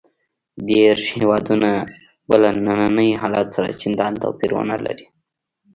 دېرش هېوادونه به له ننني حالت سره چندان توپیر ونه لري.